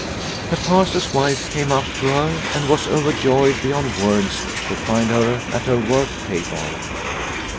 The Pastor's wife came up to her and was overjoyed beyond words to find her at her work table.